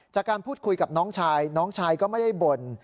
จากการพูดคุยกับน้องชายน้องชายก็ไม่ได้บ่น